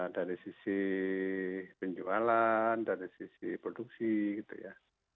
dari sisi penjualan dari sisi produksi gitu ya